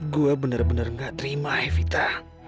gue bener bener gak terima ya vita